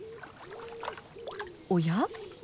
おや？